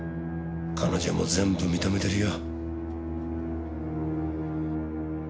彼女も全部認めてるよ。